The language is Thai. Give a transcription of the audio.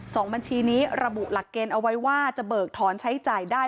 สองบัญชีนี้ระบุหลักเกณฑ์เอาไว้ว่าจะเบิกถอนใช้จ่ายได้